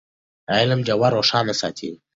علم ډېوه روښانه ساتي.